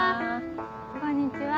こんにちは。